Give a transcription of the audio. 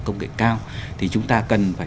công nghệ cao thì chúng ta cần phải